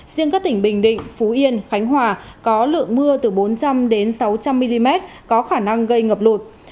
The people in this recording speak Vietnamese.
riêng các tỉnh bình định phú yên khánh hòa có lượng mưa từ bốn trăm linh sáu trăm linh mm có khả năng gây ngập lụt